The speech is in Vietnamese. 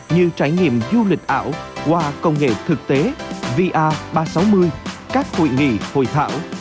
như trải nghiệm du lịch ảo qua công nghệ thực tế vr ba trăm sáu mươi các quỵ nghỉ hội thảo